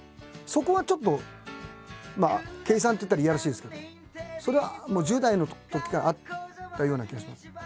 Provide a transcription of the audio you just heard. そこはちょっと計算って言ったらいやらしいですけどそれはもう１０代のときからあったような気がします。